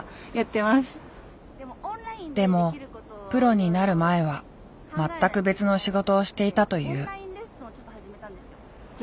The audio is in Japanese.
でもプロになる前は全く別の仕事をしていたという。